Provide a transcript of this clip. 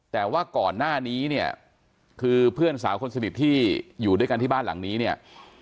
แต่ว่าก่อนหน้านี้เนี่ยคือเพื่อนสาวคนสนิทที่อยู่ด้วยกันที่บ้านหลังนี้เนี่ย